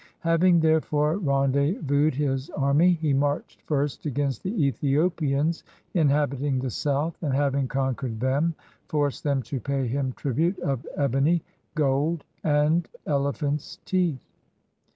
Having, therefore, rendezvoused his army, he marched first against the Ethiopians inhabiting the south, and having conquered them, forced them to pay him tribute of ebony, gold, and elephants' teeth.